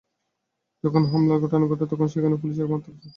যখন হামলার ঘটনা ঘটে, তখন সেখানে পুলিশের মাত্র চারজন সদস্য ছিলেন।